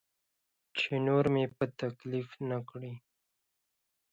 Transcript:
چې نور مې په تکلیف نه کړي.